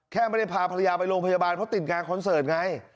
ไม่ได้พาภรรยาไปโรงพยาบาลเพราะติดงานคอนเสิร์ตไง